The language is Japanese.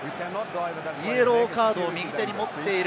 イエローカードを右手に持っている。